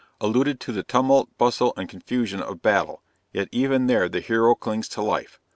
alluded to the tumult, bustle and confusion of battle yet even there the hero clings to life.